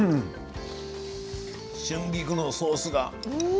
春菊のソースが。